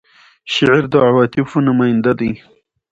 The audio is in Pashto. شعر د عواطفو نماینده دی.